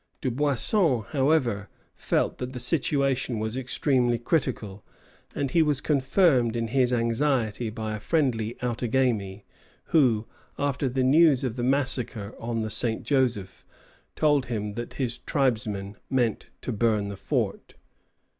Dubuisson, however, felt that the situation was extremely critical, and he was confirmed in his anxiety by a friendly Outagamie, who, after the news of the massacre on the St. Joseph, told him that his tribesmen meant to burn the fort.